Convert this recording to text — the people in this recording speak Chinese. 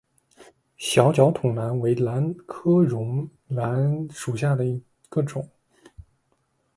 小脚筒兰为兰科绒兰属下的一个种。